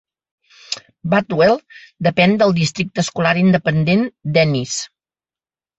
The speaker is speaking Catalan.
Bardwell depèn del districte escolar independent d'Ennis.